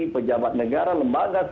pejabat negara lembaga